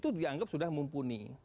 itu dianggap sudah mumpuni